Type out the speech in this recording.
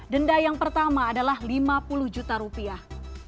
denda yang pertama adalah lima puluh juta rupiah